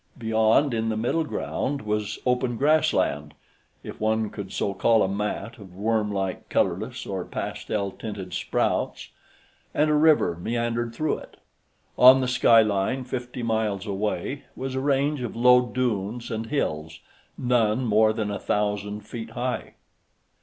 Beyond, in the middleground, was open grassland, if one could so call a mat of wormlike colorless or pastel tinted sprouts, and a river meandered through it. On the skyline, fifty miles away, was a range of low dunes and hills, none more than a thousand feet high.